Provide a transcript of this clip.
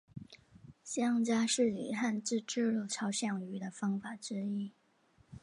乡札是以汉字记录朝鲜语的方法之一。